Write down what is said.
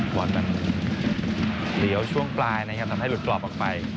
บอลนั้นเลี้ยวช่วงปลายนะครับทำให้หลุดกรอบออกไป